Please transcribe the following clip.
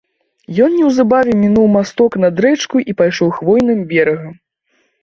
Ён неўзабаве мінуў масток над рэчкаю і пайшоў хвойным берагам.